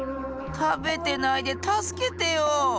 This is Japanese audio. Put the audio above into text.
たべてないでたすけてよ。